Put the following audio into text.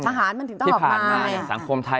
ชะหารมันถึงต้องหอบนาย